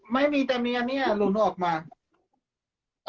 ไม่มีแต่มีอันนี้อ่ะหลวงออกมา